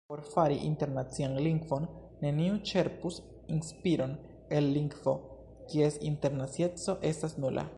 Por fari internacian lingvon, neniu ĉerpus inspiron el lingvo, kies internacieco estas nula.